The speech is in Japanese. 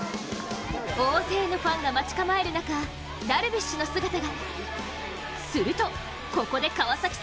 大勢のファンが待ち構える中ダルビッシュの姿が。